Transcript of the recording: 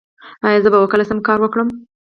ایا زه به وکولی شم کار وکړم؟